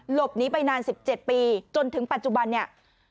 หลบหนีไปนาน๑๗ปีจนถึงปัจจุบันเนี่ย